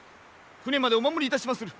船までお守りいたしまする。